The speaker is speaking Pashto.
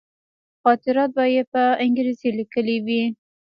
خاطرات به یې په انګرېزي لیکلي وي.